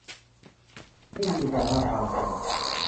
ไม่มีอิสรภาพทางใจ